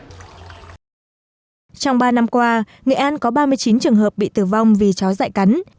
trong ba năm qua nghệ an có ba mươi chín trường hợp bị tử vong vì chó dại cắn